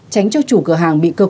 tránh cho chủ cửa hàng bị cơ quan trị